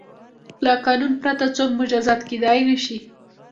له قانون پرته څوک مجازات کیدای نه شي.